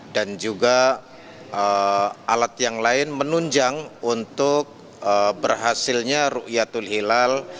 dan juga alat yang lain menunjang untuk berhasilnya rukyatul hilal